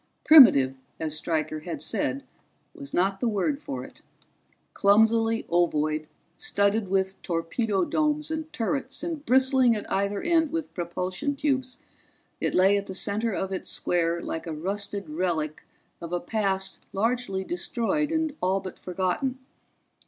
Primitive, as Stryker had said, was not the word for it: clumsily ovoid, studded with torpedo domes and turrets and bristling at either end with propulsion tubes, it lay at the center of its square like a rusted relic of a past largely destroyed and all but forgotten.